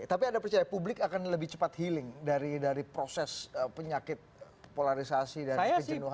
tapi anda percaya publik akan lebih cepat healing dari proses penyakit polarisasi dan kejenuhan